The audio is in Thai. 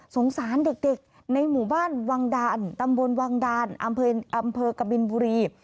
สงสารเด็กในหมู่บ้านวังดานตำบลวังดานอำเภอกบินบุรี